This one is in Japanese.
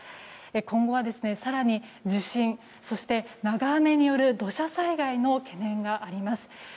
今後は更に地震そして長雨による土砂災害の懸念があります。